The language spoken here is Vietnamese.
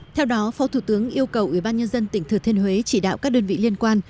theo đó phó thủ tướng yêu cầu ubnd tỉnh thừa thiên huế chỉ đạo các đơn vị liên quan